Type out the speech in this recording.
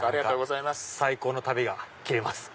最高の旅がきれます。